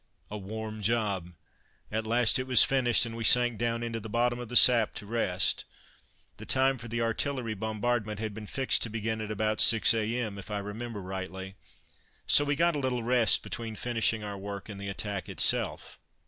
A warm job! At last it was finished, and we sank down into the bottom of the sap to rest. The time for the artillery bombardment had been fixed to begin at about 6 a.m., if I remember rightly, so we got a little rest between finishing our work and the attack itself.